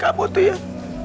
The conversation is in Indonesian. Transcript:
kamu tuh yang